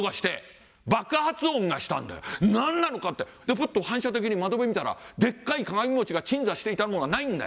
ふっと反射的に窓辺見たらでっかい鏡餅が鎮座していたものがないんだよ。